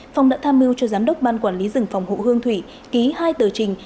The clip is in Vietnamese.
phòng đã tham mưu cho giám đốc ban quản lý rừng phòng hộ hương thủy ký hai tờ trình